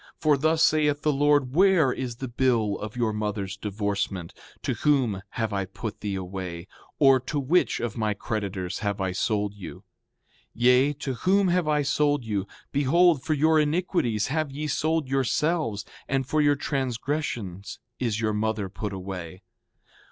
For thus saith the Lord: Where is the bill of your mother's divorcement? To whom have I put thee away, or to which of my creditors have I sold you? Yea, to whom have I sold you? Behold, for your iniquities have ye sold yourselves, and for your transgressions is your mother put away.